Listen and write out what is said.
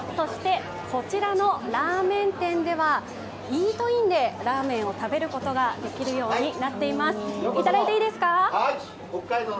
こちらのラーメン店では、イートインでラーメンを食べることができるようになっています。